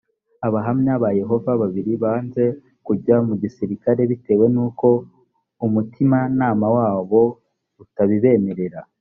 abahamya ba yehova babiri banze kujya mu gisirikare bitewe n’uko umutimanama wabo utabibemerera